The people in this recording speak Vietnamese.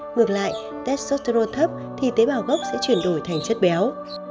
ngược lại testosterone thấp thì tế bào gốc sẽ chuyển đổi thành chất béo